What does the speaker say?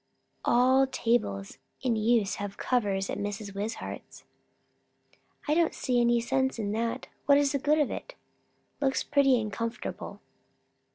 All tables in use have covers, at Mrs. Wishart's." "I don't see any sense in that. What's the good of it?" "Looks pretty and comfortable."